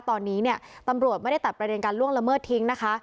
ตอนนี้เนี่ยตำรวจไม่ได้ตัดประเด็นการล่วงละเมิดทิ้งนะคะ